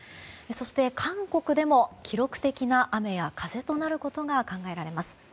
そして、韓国でも記録的な雨や風となることが考えられます。